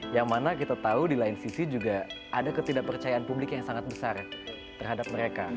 yang mana kita tahu di lain sisi juga ada ketidakpercayaan publik yang sangat besar terhadap mereka